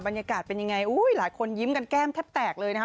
บรรยากาศเป็นยังไงหลายคนยิ้มกันแก้มแทบแตกเลยนะคะ